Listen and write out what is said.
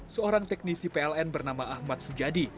seorang teknisi pln bernama ahmad sujadi